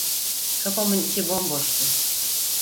Kafamın içi bomboştu.